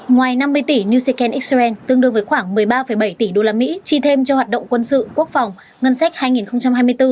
ngoài năm mươi tỷ new second israel tương đương với khoảng một mươi ba bảy tỷ usd chi thêm cho hoạt động quân sự quốc phòng ngân sách hai nghìn hai mươi bốn